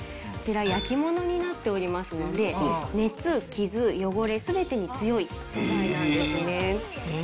こちら、焼き物になっておりますので、熱、傷、汚れ、すべてに強い素材なんですね。